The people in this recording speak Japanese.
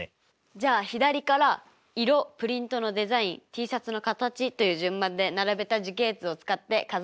じゃあ左から色プリントのデザインＴシャツの形という順番で並べた樹形図を使って数えてみましょう。